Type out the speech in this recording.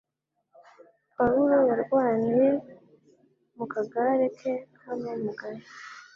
Pawulo yarwaniye mu kagare ke k'abamugaye